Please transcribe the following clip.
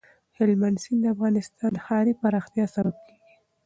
هلمند سیند د افغانستان د ښاري پراختیا سبب کېږي.